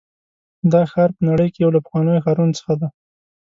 دا ښار په نړۍ کې یو له پخوانیو ښارونو څخه دی.